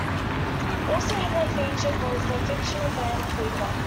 Also heavily featured was the fictional band Creeper.